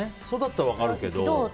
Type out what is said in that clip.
それだったら分かるけど。